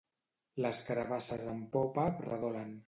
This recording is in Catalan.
Les carabasses en popa redolen.